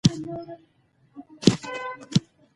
هغه له خپل ورور او کاهنانو مشوره اخلي.